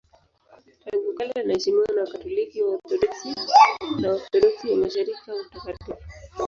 Tangu kale anaheshimiwa na Wakatoliki, Waorthodoksi na Waorthodoksi wa Mashariki kama mtakatifu.